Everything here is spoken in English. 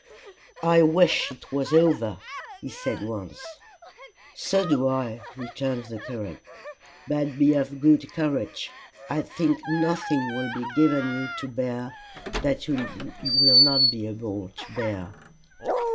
"I wish it was over," he said once. "So do I," returned the curate. "But be of good courage, I think nothing will be given you to bear that you will not be able to bear."